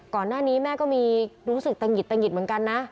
ก่อนหน้านี้แม่ก็มีรู้สึกตะหิดตะหิดเหมือนกันนะ